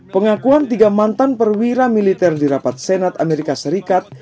pengakuan tiga mantan perwira militer di rapat senat amerika serikat